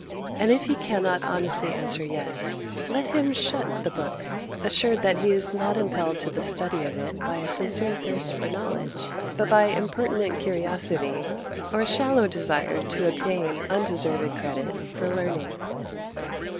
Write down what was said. And if he cannot honestly answer "Yes," let him shut the book, assured that he is not impelled to the study of it by a sincere thirst for knowledge, but by impertinent curiosity, or a shallow desire to obtain undeserved credit for learning.